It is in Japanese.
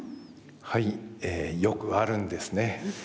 はいよくあるんですね。